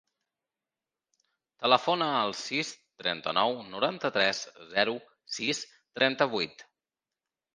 Telefona al sis, trenta-nou, noranta-tres, zero, sis, trenta-vuit.